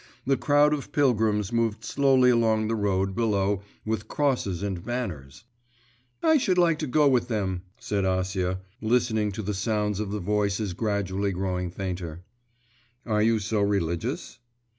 The crowd of pilgrims moved slowly along the road below with crosses and banners.… 'I should like to go with them,' said Acia, listening to the sounds of the voices gradually growing fainter. 'Are you so religious?